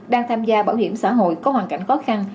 đang tham gia bảo hiểm xã hội có hoàn cảnh khó khăn